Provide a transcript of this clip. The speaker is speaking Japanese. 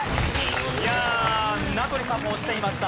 いやあ名取さんも押していました。